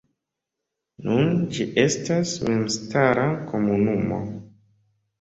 Nun ĝi estas memstara komunumo.